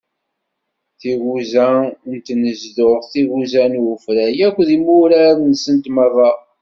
Tigusa n tnezduɣt, tigusa n ufrag akked imurar-nsent meṛṛa.